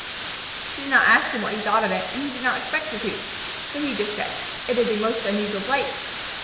She did not ask him what he thought of it, and he did not expect her to. So he just said, "It is a most unusual place."